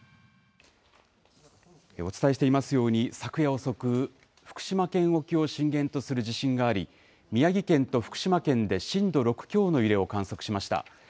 お伝えしていますように昨夜遅く福島県沖を震源とする地震があり宮城県と福島県で震度６強の揺れを観測しました。